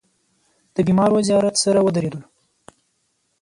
د بېمارو زيارت سره ودرېدلو.